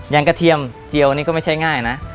อย่างกระเทียมเจียวนี่ก็ไม่ใช่ง่ายนะ